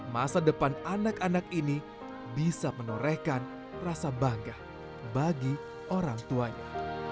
masa depan anak anak ini bisa menorehkan rasa bangga bagi orang tuanya